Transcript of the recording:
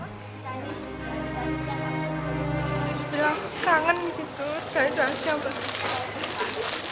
dia bilang kangen gitu dari saat siapa